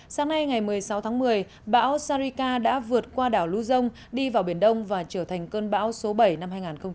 sáng nay ngày một mươi sáu tháng một mươi bão sarika đã vượt qua đảo lưu dông đi vào biển đông và trở thành cơn bão số bảy năm hai nghìn hai mươi